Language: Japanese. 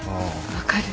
分かる。